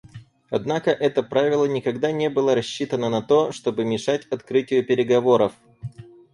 Однако это правило никогда не было рассчитано на то, чтобы мешать открытию переговоров.